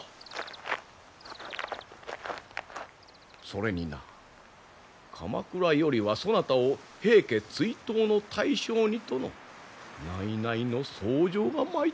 それにな鎌倉よりはそなたを平家追討の大将にとの内々の奏上が参っておる。